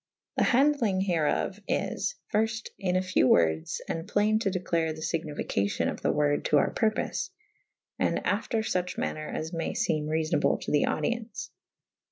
The handelynge hereof is. Fyrft in few wordes and plaine to declare the flgnificacion of the worde to our purpofe / and after fuche maner as may feme refonable to the audience.